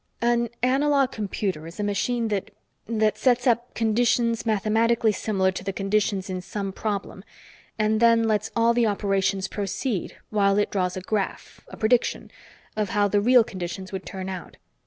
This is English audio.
"An analogue computer is a machine that ... that sets up conditions mathematically similar to the conditions in some problem and then lets all the operations proceed while it draws a graph a prediction of how the real conditions would turn out.